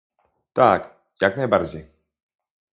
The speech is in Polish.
Tak, jak najbardziej